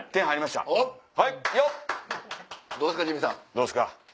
どうっすか？